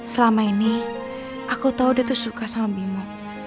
selama ini aku tahu dita suka sama bimo